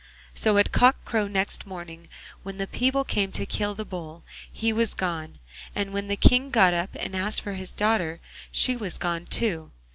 So at cock crow next morning, when the people came to kill the Bull, he was gone, and when the King got up and asked for his daughter she was gone too.